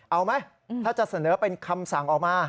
เอาไหมถ้าจะเสนอเป็นคำสั่งออกมา